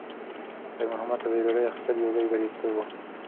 خیر محمد ته د ډوډۍ اخیستل یو لوی بریالیتوب و.